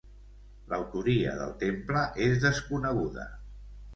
L'autoria del temple és desconeguda.